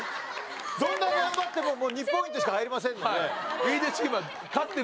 どんだけ頑張ってももう２ポイントしか入りませんので。